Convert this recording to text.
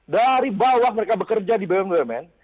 dari bawah mereka bekerja di bumn